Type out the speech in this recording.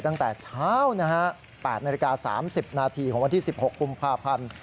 ตั้งแต่เช้านะฮะ๘นาฬิกา๓๐นาทีของวันที่๑๖กุมภาพันธ์